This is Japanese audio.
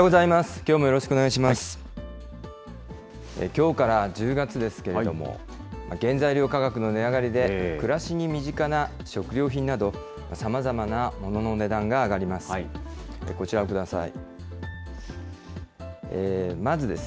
きょうから１０月ですけれども、原材料価格の値上がりで、暮らしに身近な食料品など、さまざまなものの値段が上がります。